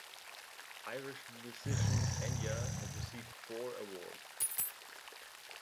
Irish musician Enya has received four awards.